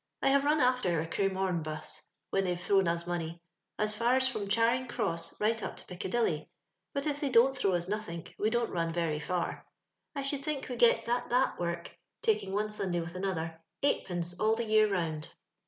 I have run after a Cremome bus, when they've thrown us money, as far as from Charing cross right up to Piccadilly, but if they don't throw us nothink we don't run very fir. I should think wc gets at that work, taldng one Sunday with another, eightpencc all the year round.